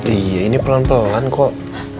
iya ini pelan pelan kok